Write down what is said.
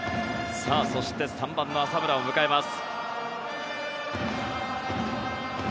そして３番の浅村を迎えます。